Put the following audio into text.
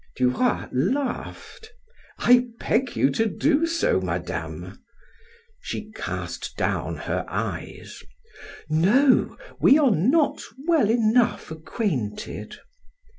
Du Roy laughed. "I beg you to do so, Madame." She cast down her eyes. "No, we are not well enough acquainted."